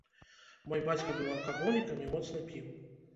Мой бацька быў алкаголікам і моцна піў.